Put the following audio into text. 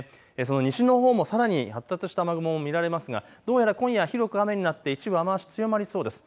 西のほうもさらに発達した雨雲が見られますがどうやら今夜広く雨になって一部雨足強まりそうです。